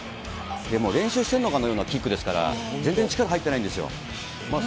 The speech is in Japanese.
でも練習してるかのようなキックですから、全然力入ってないんですよ。